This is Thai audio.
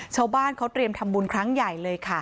ชาวบ้านเขาเตรียมทำบุญครั้งใหญ่เลยค่ะ